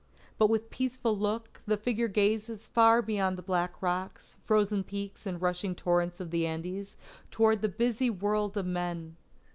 But with peaceful look, the figure gazes far beyond the black rocks, frozen peaks, and rushing torrents of the Andes, toward the busy world of men.